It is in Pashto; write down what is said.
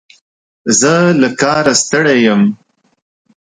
زه له کاره ستړی یم.